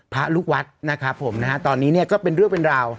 พระลูกวัดนะครับผมตอนนี้ก็เป็นเรื่องเป็นราว